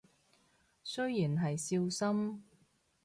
雖然係少深